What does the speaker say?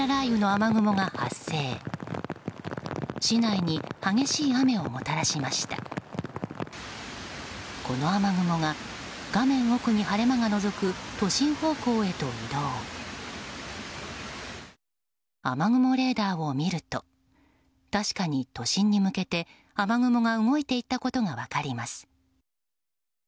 雨雲レーダーを見ると確かに都心に向けて雨雲が動いていったことが分かります。